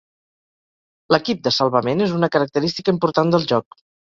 L'equip de salvament és una característica important del joc.